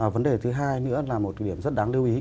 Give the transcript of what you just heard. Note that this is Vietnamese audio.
vấn đề thứ hai nữa là một điểm rất đáng lưu ý